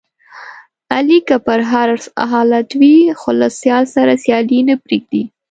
علي که په هر حالت وي، خو له سیال سره سیالي نه پرېږدي.